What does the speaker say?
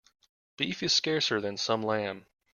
Beef is scarcer than some lamb.